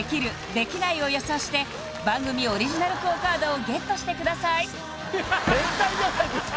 できない？を予想して番組オリジナルＱＵＯカードをゲットしてください